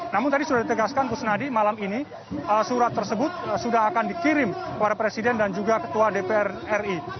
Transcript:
namun tadi sudah ditegaskan kusnadi malam ini surat tersebut sudah akan dikirim kepada presiden dan juga ketua dpr ri